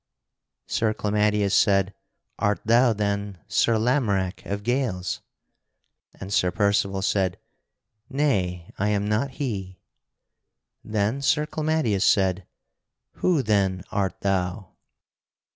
Sir Clamadius said: "Art thou then Sir Lamorack of Gales?" And Sir Percival said: "Nay, I am not he." Then Sir Clamadius said: "Who, then, art thou?"